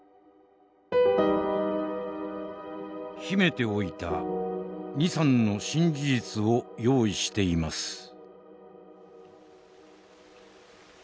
「秘めておいた二三の新事実を用意しています」。